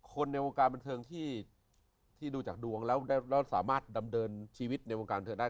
ในวงการบันเทิงที่ดูจากดวงแล้วสามารถดำเนินชีวิตในวงการบันเทิงได้